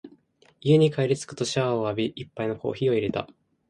家に帰りつくとシャワーを浴び、一杯のコーヒーを淹れた。